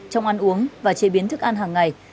trong ăn uống và chế biến thức ăn hàng ngày